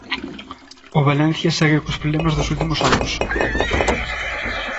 O Valencia segue cos problemas dos últimos anos.